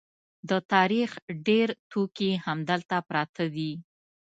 د تاریخ ډېر توکي همدلته پراته دي.